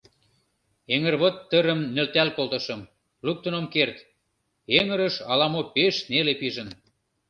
Эҥырвот тырым нӧлтал колтышым, луктын ом керт, эҥырыш ала-мо пеш неле пижын.